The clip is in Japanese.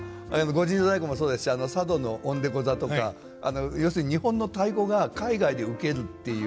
御陣乗太鼓もそうですし佐渡の鬼太鼓座とか要するに日本の太鼓が海外で受けるっていう。